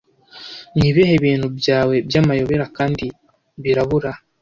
nibintu byawe byamayobera kandi birabura